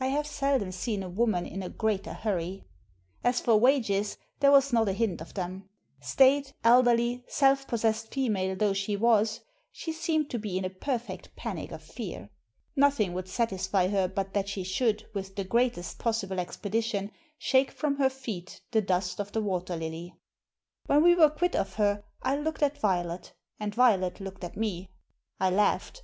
I have seldom seen a woman in a greater hurry. As for wages, there was not a hint of them. Staid, elderly, self possessed female though she was. Digitized by VjOOQIC 270 THE SEEN AND THE UNSEEN she seemed to be in a perfect panic of fear. Nothing would satisfy her but that she should, with the greatest possible expedition, shake from her feet the dust of the Water Lily, When we were quit of her I looked at Violet and Violet looked at me. I laughed.